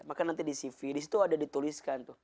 maka nanti di cv disitu ada dituliskan tuh